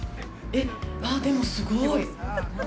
◆あ、でもすごーい。